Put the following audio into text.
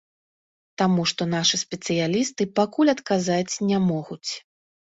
Таму што нашы спецыялісты пакуль адказаць не могуць.